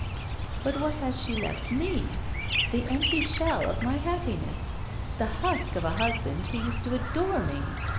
But what has she left me? The empty shell of my happiness — the husk of a husband who used to adore me